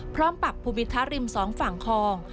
พร้อมปรับภูมิธริมสองฝั่งคลอง